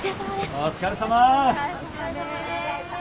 お疲れさまです。